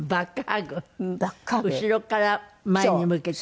後ろから前に向けて。